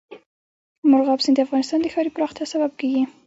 مورغاب سیند د افغانستان د ښاري پراختیا سبب کېږي.